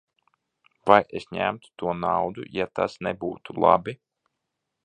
Vai es ņemtu to naudu, ja tas nebūtu labi?